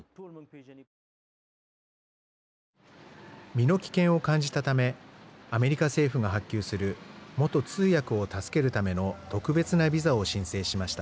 身の危険を感じたためアメリカ政府が発給する元通訳を助けるための特別なビザを申請しました。